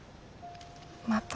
また。